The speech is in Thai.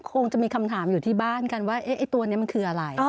คงจะมีคำถามอยู่ที่บ้านกันว่าไอ้ตัวนี้มันคืออะไร